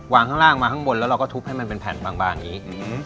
ข้างล่างมาข้างบนแล้วเราก็ทุบให้มันเป็นแผ่นบางอย่างนี้